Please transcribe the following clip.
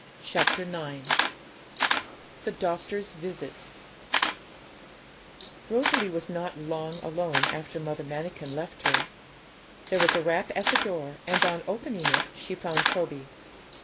CHAPTER IX THE DOCTOR'S VISIT Rosalie was not long alone after Mother Manikin left her. There was a rap at the door, and on opening it she found Toby.